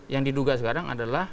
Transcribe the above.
yang diduga sekarang adalah